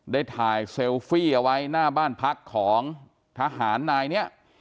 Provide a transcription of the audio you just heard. ได้ถ่ายเซลฟี่เอาไว้หน้าบ้านพักของทหารนายนี้